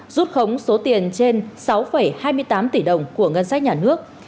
rút khống số tiền trên sáu hai mươi tám tỷ đồng của ngân sách nhà nước